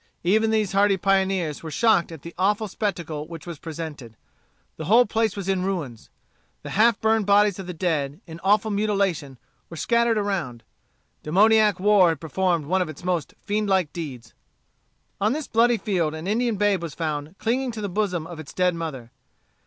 Even these hardy pioneers were shocked at the awful spectacle which was presented. The whole place was in ruins. The half burned bodies of the dead, in awful mutilation, were scattered around. Demoniac war had performed one of its most fiend like deeds. On this bloody field an Indian babe was found clinging to the bosom of its dead mother.